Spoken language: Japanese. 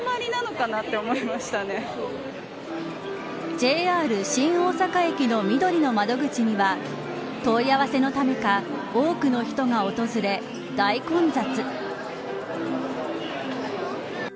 ＪＲ新大阪駅のみどりの窓口には問い合わせのためか多くの人が訪れ大混雑。